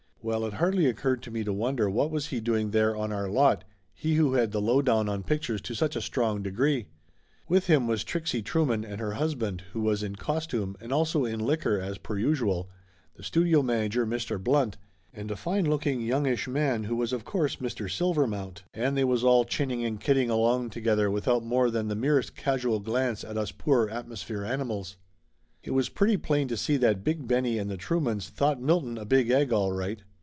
Well, it hardly occurred to me to wonder what was he doing there on our lot, he who had the lowdown on pictures to such a strong degree. With him was Trixie Trueman, and her husband, who was in costume and also in liquor as per usual, the studio manager, Mr. Blunt, and a fine looking youngish man, who was of course Mr. Silvermount, and they was all chinning and kidding along together without more than the merest casual glance at us poor atmosphere animals. It was pretty plain to see that Big Benny and the Truemans thought Milton a big egg, all right.